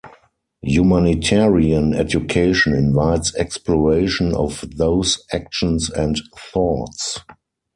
Humanitarian education invites exploration of those actions and thoughts.